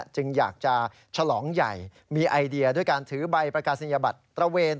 จึงอยากจะฉลองใหญ่มีไอเดียด้วยการถือใบประกาศนียบัตรตระเวน